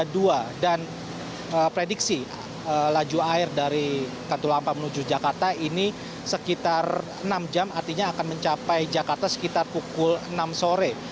dua dan prediksi laju air dari katulampa menuju jakarta ini sekitar enam jam artinya akan mencapai jakarta sekitar pukul enam sore